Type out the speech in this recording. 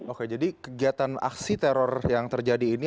oke jadi kegiatan aksi teror yang terjadi ini